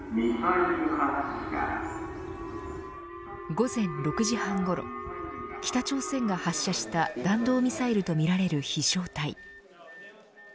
午前６時半ごろ北朝鮮が発射した弾道ミサイルとみられる飛しょう体。